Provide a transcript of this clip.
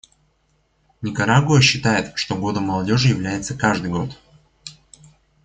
Никарагуа считает, что годом молодежи является каждый год.